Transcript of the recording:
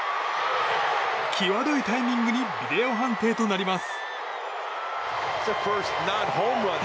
きわどいタイミングにビデオ判定となります。